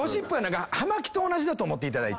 同じだと思っていただいて。